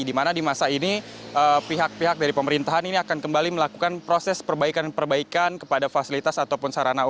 di mana di masa ini pihak pihak dari pemerintahan ini akan kembali melakukan proses perbaikan perbaikan kepada fasilitas ataupun sarana umum